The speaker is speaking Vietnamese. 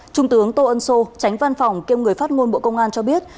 trung tướng tô ân sô tránh văn phòng kiêm người phát ngôn bộ công an cho biết